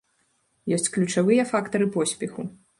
Ёсць ключавыя фактары поспеху.